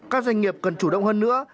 các doanh nghiệp cần chủ động hơn nữa